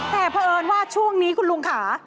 แต่เผอิญว่าช่วงนี้คุณลุงค่ะ